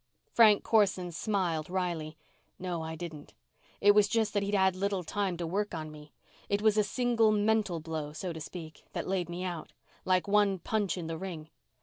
Frank Corson smiled wryly. "No, I didn't. It was just that he'd had little time to work on me. It was a single mental blow, so to speak, that laid me out. Like one punch in the ring.